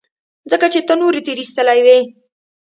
ځکه چې ته نورو تېرايستلى وې.